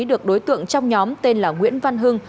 được đối tượng trong nhóm tên là nguyễn văn hưng